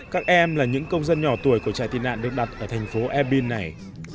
các em là những công dân nhỏ tuổi của trại tị nạn được đặt ở thành phố airbin này